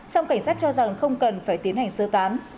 song cảnh sát cho rằng không cần phải tiến hành sơ tán